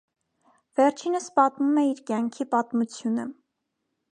Վերջինս պատմում է իր կյանքի պատմությունը։